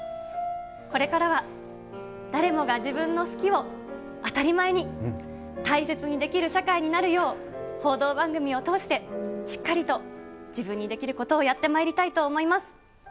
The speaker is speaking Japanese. これからは誰もが自分の好きを当たり前に大切にできる社会になるよう、報道番組を通して、しっかりと自分にできることをやってまいりたいと思います。